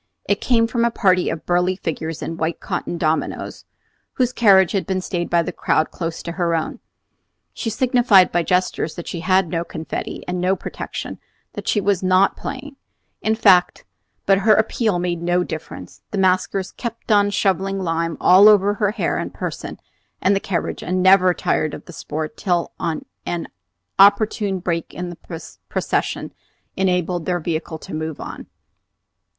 It came from a party of burly figures in white cotton dominos, whose carriage had been stayed by the crowd close to her own. She signified by gestures that she had no confetti and no protection, that she "was not playing," in fact; but her appeal made no difference. The maskers kept on shovelling lime all over her hair and person and the carriage, and never tired of the sport till an opportune break in the procession enabled their vehicle to move on.